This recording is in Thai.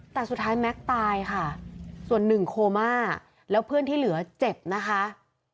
แต่สุดท้ายแม็กซ์ตายค่ะส่วนหนึ่งโคม่าแล้วเพื่อนที่เหลือเจ็บนะคะ